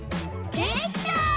できた！